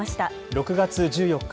６月１４日